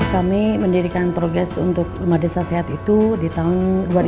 kami mendirikan progres untuk rumah desa sehat itu di tahun dua ribu dua puluh